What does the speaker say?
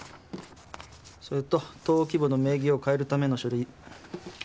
それと登記簿の名義を換えるための書類。